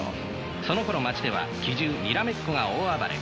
そのころ街では奇獣にらめっこが大暴れ。